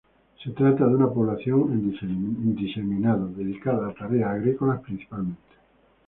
Se trata de una población en diseminado, dedicada a tareas agrícolas principalmente.